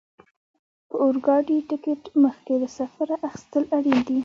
د اورګاډي ټکټ مخکې له سفره اخیستل اړین دي.